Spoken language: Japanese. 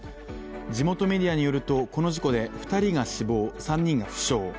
地元メディアによるとこの事故で２人が死亡、３人が負傷。